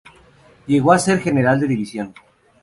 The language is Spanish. Llegó a ser general de división.